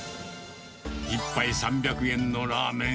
１杯３００円のラーメン。